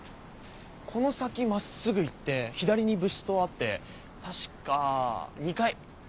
この先真っすぐ行って左に部室棟あって確か２階。